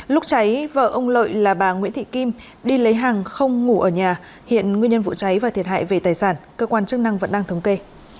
lúc cháy vợ ông lợi là bà nguyễn thị kim đi lấy hàng không ngủ ở nhà hiện nguyên nhân vụ cháy và thiệt hại về tài sản cơ quan chức năng vẫn đang thống kê